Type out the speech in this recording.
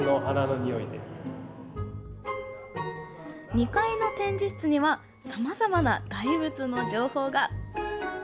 ２階の展示室にはさまざまな大仏の情報が。